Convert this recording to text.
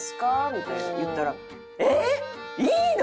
みたいに言ったら「えっ！？いいの！？